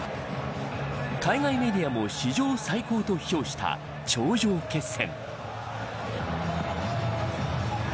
海外メディアも史上最高と評した頂上決戦。